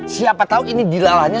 siapa tau ini dilalanya